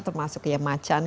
termasuk ya macan